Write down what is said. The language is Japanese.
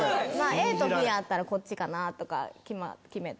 ＡとＢあったらこっちかなとか決めて。